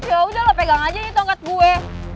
yaudah lo pegang aja tongkat gue